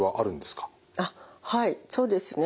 はいそうですね。